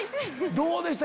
どうでした？